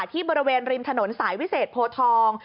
ที่บริเวณริมถนนสายวิเศษโพทอง